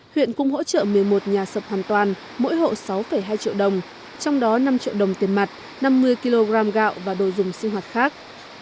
huyện cũng hỗ trợ một mươi một nhà sập hoàn toàn mỗi hộ sáu hai triệu đồng trong đó năm triệu đồng tiền mặt năm mươi kg gạo và đồ dùng sinh hoạt khác